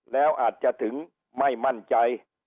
แล้วอาจจะถึงไม่มั่นใจ